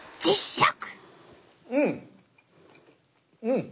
うん！